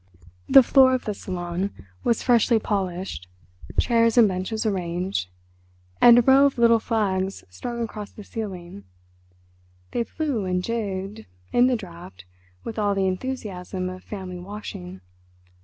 The floor of the salon was freshly polished, chairs and benches arranged, and a row of little flags strung across the ceiling—they flew and jigged in the draught with all the enthusiasm of family washing.